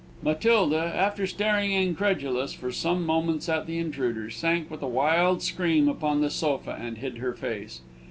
Matilda, after staring, incredulous, for some moments at the intruder, sank with a wild scream upon the sofa, and hid her face.